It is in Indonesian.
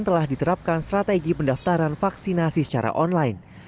telah diterapkan strategi pendaftaran vaksinasi secara online